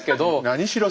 何しろ